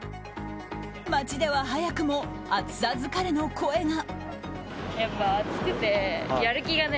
街では早くも暑さ疲れの声が。